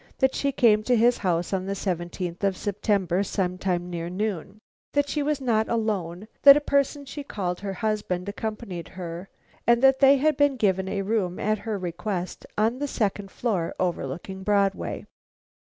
That she came to his house on the seventeenth of September, some time near noon. That she was not alone; that a person she called her husband accompanied her, and that they had been given a room, at her request, on the second floor overlooking Broadway.